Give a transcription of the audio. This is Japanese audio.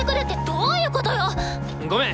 ごめん！